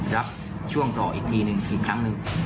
รับช่วงต่ออีกทีหนึ่งอีกครั้งหนึ่ง